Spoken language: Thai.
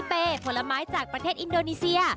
เปผลไม้จากประเทศอินโดนีเซีย